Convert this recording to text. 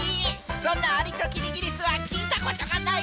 そんな「アリとキリギリス」はきいたことがない！